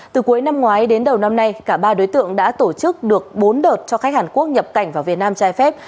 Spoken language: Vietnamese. từ cuối năm ngoái đến đầu năm nay cả ba đối tượng đã tổ chức được bốn đợt cho khách hàn quốc nhập cảnh vào việt nam trái phép